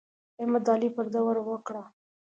احمد د علي پرده ور وکړه.